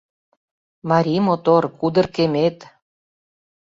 Марий мотор — кудыр кемет